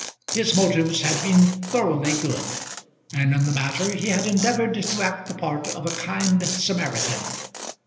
His motives had been thoroughly good, and in the matter he had endeavoured to act the part of a kind Samaritan.